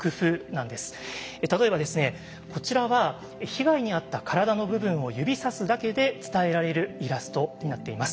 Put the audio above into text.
例えばこちらは被害に遭った体の部分を指さすだけで伝えられるイラストになっています。